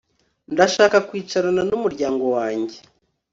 Ndashaka kwicarana numuryango wanjye